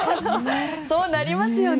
そうなりますよね。